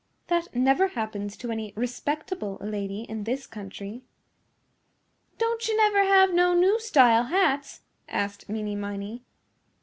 "That never happens to any respectable lady in this country." "Don't you never have no new style hats?" asked Meeney Miney.